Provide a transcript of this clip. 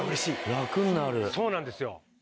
そうなんですよ。